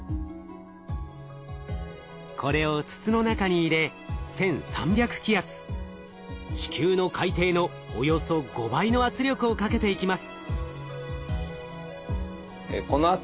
これを筒の中に入れ１，３００気圧地球の海底のおよそ５倍の圧力をかけていきます。